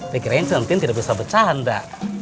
kira kira cintin tidak bisa becanda